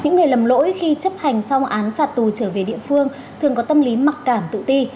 những người lầm lỗi khi chấp hành xong án phạt tù trở về địa phương thường có tâm lý mặc cảm tự ti